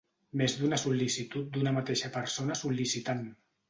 Més d'una sol·licitud d'una mateixa persona sol·licitant.